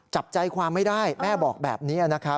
จับใจความไม่ได้แม่บอกแบบนี้นะครับ